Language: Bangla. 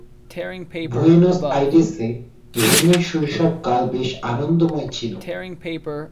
বুয়েনস আইরেসে রেনে শৈশব কাল বেশ আনন্দময় ছিল।